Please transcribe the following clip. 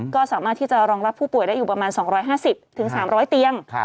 ก็สามารถที่จะรองรับผู้ป่วยได้อยู่ประมาณ๒๕๐๓๐๐เตียง